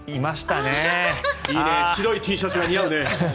白いＴシャツが似合うね。